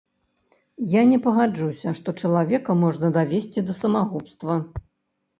Я не пагаджуся, што чалавека можна давесці да самагубства.